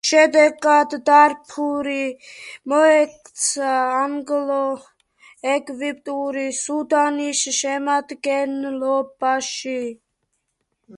შედეგად დარფური მოექცა ანგლო–ეგვიპტური სუდანის შემადგენლობაში.